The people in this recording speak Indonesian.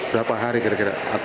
berapa hari kira kira